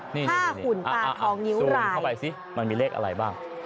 ห้าหุ่นปากทองนิ้วรายโอเคสูงเข้าไปสิมันมีเลขอะไรบ้าง